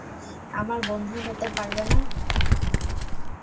আমার বন্ধু হতে পারবে না?